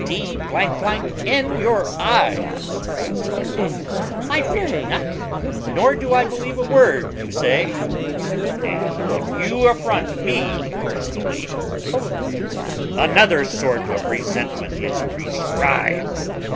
"D n your eyes!" cries Fireblood; "I fear you not, nor do I believe a word you say." "Nay, if you affront me personally," says Wild, "another sort of resentment is prescribed."